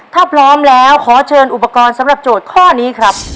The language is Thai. ถ้าพร้อมแล้วขอเชิญอุปกรณ์สำหรับโจทย์ข้อนี้ครับ